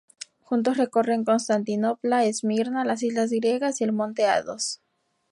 Juntos recorren Constantinopla, Esmirna, las islas griegas y el Monte Athos.